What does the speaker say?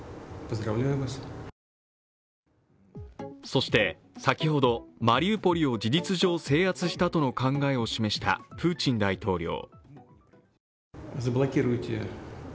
そして先ほど、マリウポリを事実上制圧したとの考えを示したプーチン大統領。